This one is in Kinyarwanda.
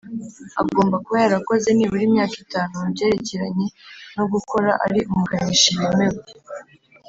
Agomba kuba yarakoze nibura imyaka itanu mu byerekeranye no gukora ari umukanishi wemewe.